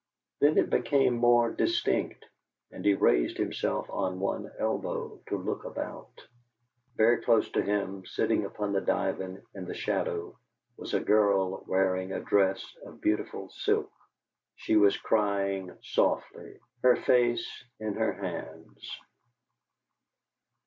Then it became more distinct, and he raised himself on one elbow to look about. Very close to him, sitting upon the divan in the shadow, was a girl wearing a dress of beautiful silk. She was crying softly, her face in her hands.